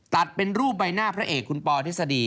ตัดเป็นรูปใบหน้าพระเอกคุณปอทฤษฎี